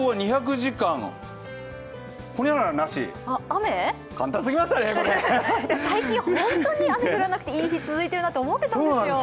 最近、本当に雨が降らなくていい日続いているなと思ってたんです。